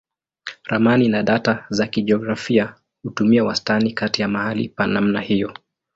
Ramani na data za kijiografia hutumia wastani kati ya mahali pa namna hiyo.